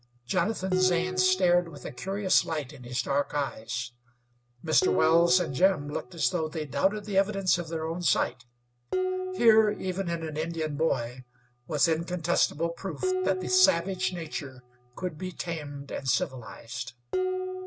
Jonathan Zane stared with a curious light in his dark eyes; Mr. Wells and Jim looked as though they doubted the evidence of their own sight. Here, even in an Indian boy, was incontestable proof that the savage nature could be tamed and civilized.